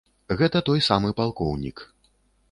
Гэта той самы палкоўнік.